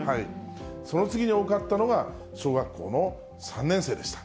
その次に多かったのが小学校の３年生でした。